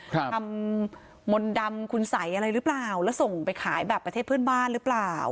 ทำมนต์ดำคุณสัยอะไรหรือเปล่าแล้วส่งไปขายแบบประเทศเพื่อนบ้านหรือเปล่า